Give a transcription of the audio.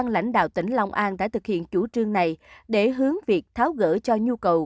lãnh đạo tỉnh long an đã thực hiện chủ trương này để hướng việc tháo gỡ cho nhu cầu